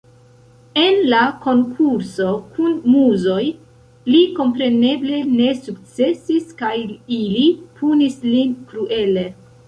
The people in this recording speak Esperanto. En la konkurso kun Muzoj li kompreneble ne sukcesis kaj ili punis lin kruele.